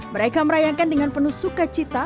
mereka merayakan dengan penuh sukacita